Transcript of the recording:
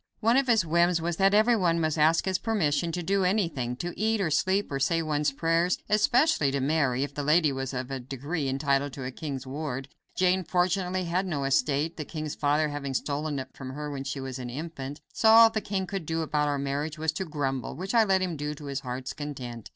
One of his whims was that everyone must ask his permission to do anything; to eat, or sleep, or say one's prayers; especially to marry, if the lady was of a degree entitled to be a king's ward. Jane, fortunately, had no estate, the king's father having stolen it from her when she was an infant; so all the king could do about our marriage was to grumble, which I let him do to his heart's content.